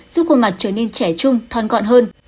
giúp khuôn mặt trở nên trẻ trung thon gọn hơn